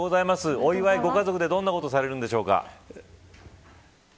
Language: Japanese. お祝い、ご家族でどんなことされるんでしょうか。